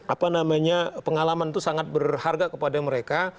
apa namanya pengalaman itu sangat berharga kepada mereka